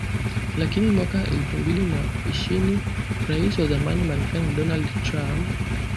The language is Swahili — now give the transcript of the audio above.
Lakini mwaka elfu mbili na ishini Rais wa zamani Marekani Donald Trump aliamuru